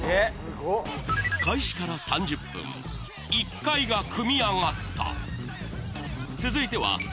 開始から３０分、１階が組み上がった。